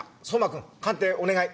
君鑑定お願い。